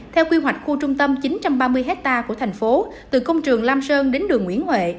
theo quy hoạch khu trung tâm chín trăm ba mươi hectare của thành phố từ công trường lam sơn đến đường nguyễn huệ